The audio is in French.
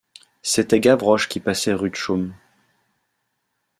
C’était Gavroche qui passait rue du Chaume.